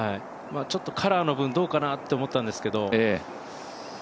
ちょっとカラーの分どうかなと思ったんだけど。